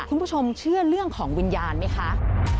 คุณผู้ชมเชื่อเรื่องของวิญญาณไหมคะ